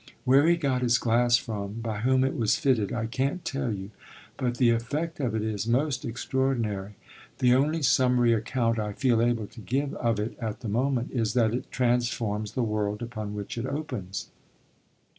Where he got his glass from, by whom it was fitted, I can't tell you, but the effect of it is most extraordinary. The only summary account I feel able to give of it at the moment is that it transforms the world upon which it opens.